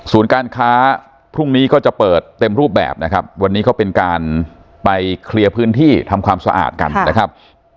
การค้าพรุ่งนี้ก็จะเปิดเต็มรูปแบบนะครับวันนี้เขาเป็นการไปเคลียร์พื้นที่ทำความสะอาดกันนะครับ